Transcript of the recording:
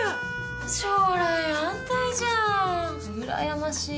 将来安泰じゃんうらやましい。